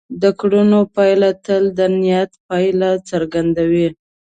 د کړنو پایله تل د نیت پایله څرګندوي.